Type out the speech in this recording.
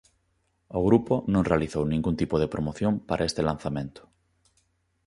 O grupo non realizou ningún tipo de promoción para este lanzamento.